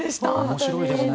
面白いですね。